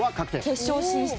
決勝進出